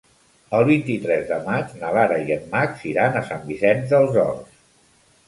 El vint-i-tres de maig na Lara i en Max iran a Sant Vicenç dels Horts.